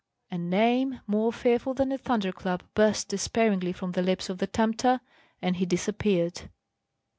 A name, more fearful than a thunderclap, burst despairingly from the lips of the Tempter, and he disappeared.